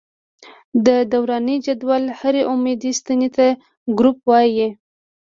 د دوراني جدول هرې عمودي ستنې ته ګروپ وايي.